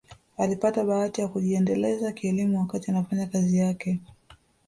Alipata bahati ya kujiendeleza kielimu wakati anafanya kazi yake